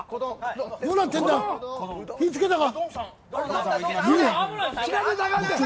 どうなってんだ火、つけたか。